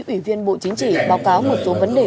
ủy viên bộ chính trị báo cáo một số vấn đề